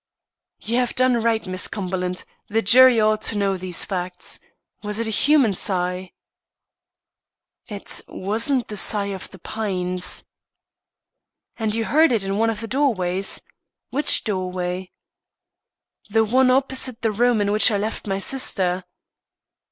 "You have done right, Miss Cumberland. The jury ought to know these facts. Was it a human sigh?" "It wasn't the sigh of the pines." "And you heard it in one of the doorways? Which doorway?" "The one opposite the room in which I left my sister."